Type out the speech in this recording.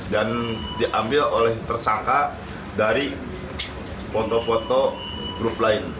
dan diambil oleh tersangka dari foto foto grup lain